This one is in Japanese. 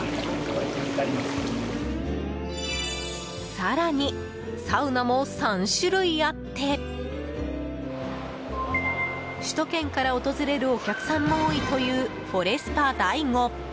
更にサウナも３種類あって首都圏から訪れるお客さんも多いというフォレスパ大子。